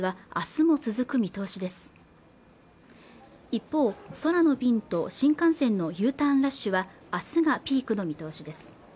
一方、空の便と新幹線のＵターンラッシュはあすがピークの見通しです